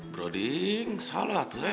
broding salah tuh ya